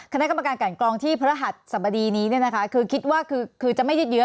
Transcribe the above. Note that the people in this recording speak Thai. คณะกรรมการการกรองที่พระรหัสสัมบดีนี้เนี่ยนะคะคือคิดว่าคือคือจะไม่ยืดเยอะ